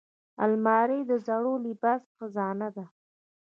الماري د زوړ لباس خزانه ده